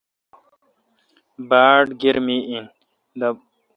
باڑ گرمی بیل۔